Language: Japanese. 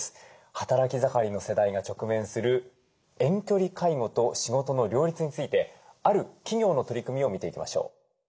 働き盛りの世代が直面する遠距離介護と仕事の両立についてある企業の取り組みを見ていきましょう。